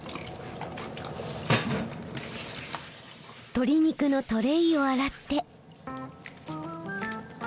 鶏肉のトレーを洗って。